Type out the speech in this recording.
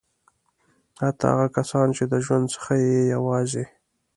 حتی هغه کسان چې د ژوند څخه یې یوازې.